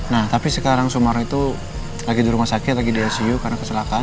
nah tapi sekarang sumarno itu lagi di rumah sakit lagi di icu karena kecelakaan